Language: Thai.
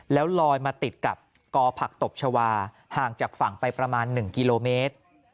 แล้วลอยมาติดกับกอผักตบชาวาห่างจากฝั่งไปประมาณ๑กิโลเมตร